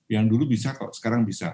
yang dulu bisa kok sekarang bisa